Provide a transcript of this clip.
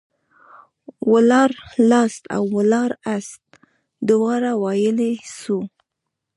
ولاړلاست او ولاړاست دواړه ويلاى سو.